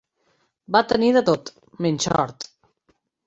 Va tenir de tot, menys sort.